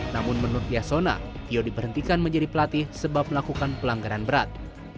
namun menurut yasona tio diberhentikan menjadi pelatih sebab melakukan pelanggaran berat